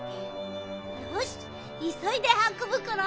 よしいそいではこぶコロ！